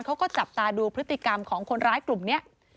เขาก็จับตาดูพฤติกรรมของคนร้ายกลุ่มนี้